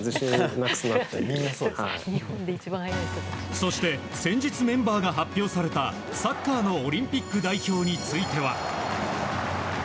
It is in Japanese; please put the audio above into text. そして先日メンバーが発表されたサッカーのオリンピック代表については。